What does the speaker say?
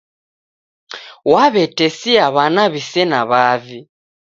Waw'etesia w'ana wisena wavi